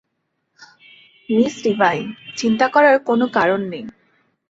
Miss Divine, চিন্তা করার কোনো কারণ নেই।